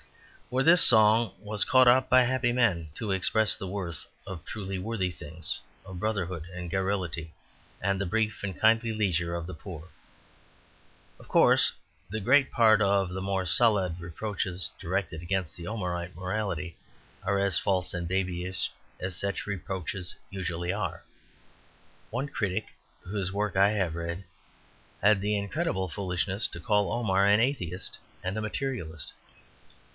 For this song was caught up by happy men to express the worth of truly worthy things, of brotherhood and garrulity, and the brief and kindly leisure of the poor. Of course, the great part of the more stolid reproaches directed against the Omarite morality are as false and babyish as such reproaches usually are. One critic, whose work I have read, had the incredible foolishness to call Omar an atheist and a materialist.